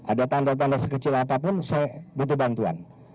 ada tanda tanda sekecil apapun saya butuh bantuan